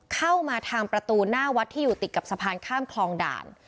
เข้ามาทางประตูหน้าวัดที่อยู่ติดกับสะพานข้ามคลองด่าน